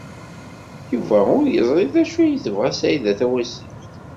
Yuba ur yeẓri d acu ay tebɣa Saɛida Tawasift.